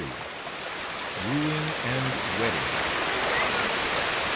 WOOING AND WEDDING.